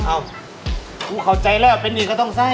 อ้าวหนูเข้าใจแล้วว่าเป็นอยู่กับต้องใส